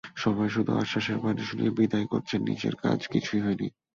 সবাই শুধু আশ্বাসের বাণী শুনিয়েই বিদায় করেছেন কাজের কাজ কিছুই হয়নি।